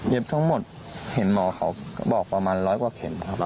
ทั้งหมดเห็นหมอเขาบอกประมาณร้อยกว่าเข็มนะครับ